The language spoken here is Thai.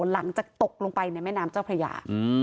หลังจากตกลงไปในแม่น้ำเจ้าพระยา